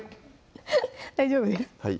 大丈夫です